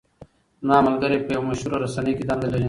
زما ملګری په یوه مشهوره رسنۍ کې دنده لري.